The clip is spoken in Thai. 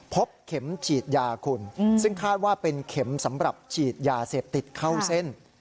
พบเข็มฉีดยาคุณซึ่งคาดว่าเป็นเข็มสำหรับฉีดยาเสพติดเข้าเส้น